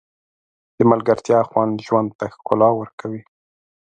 د ملګرتیا خوند ژوند ته ښکلا ورکوي.